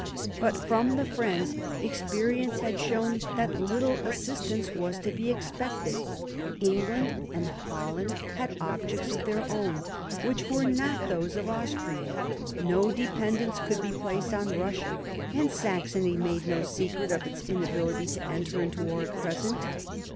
But from the friends experience had shown that little assistance was to be expected; England and Holland had objects of their own, which were not those of Austria; no dependence could be placed on Eussia; and Saxony made no secret of its inability to enter into war at present.